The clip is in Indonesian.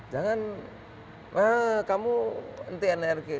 jangan kamu ntnrg